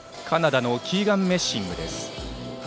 カナダのキーガン・メッシング。